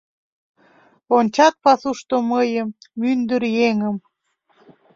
Ончат пасушто мыйым, мӱндыр еҥым.